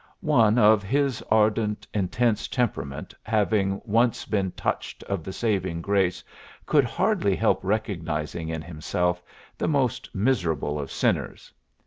One of his ardent, intense temperament having once been touched of the saving grace could hardly help recognizing in himself the most miserable of sinners.